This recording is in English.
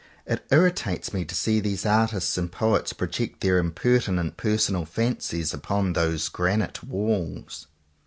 It irritates me to see these artists and poets project their im pertinent personal fancies upon those gran ite walls.